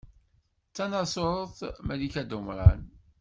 D tnaẓurt Malika Dumran.